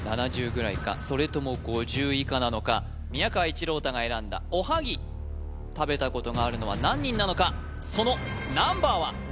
７０ぐらいかそれとも５０以下なのか宮川一朗太が選んだおはぎ食べたことがあるのは何人なのかそのナンバーは？